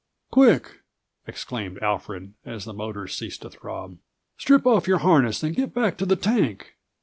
"Quick!" exclaimed Alfred as the motors ceased to throb. "Strip off your harness and get back to the tank."